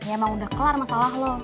emang udah kelar masalah lo